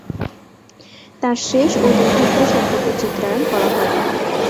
তাঁর শেষ ও দীর্ঘস্থায়ী সম্পর্কের চিত্রায়ন করা হয়।